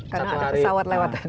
karena ada pesawat lewat